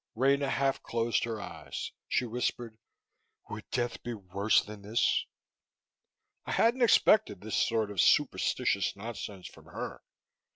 Rena half closed her eyes. She whispered, "Would death be worse than this?" I hadn't expected this sort of superstitious nonsense from her.